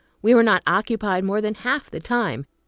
We were not occupied more than half the time.